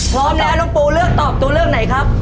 พร้อมแล้วน้องปูเลือกตอบตัวเลือกไหนครับ